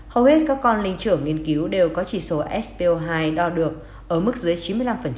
hầu hết các con linh trưởng nghiên cứu đều có chỉ số so sp hai đo được ở mức dưới chín mươi năm